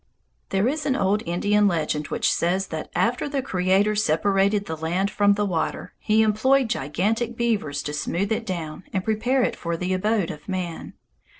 There is an old Indian legend which says that after the Creator separated the land from the water he employed gigantic beavers to smooth it down and prepare it for the abode of man.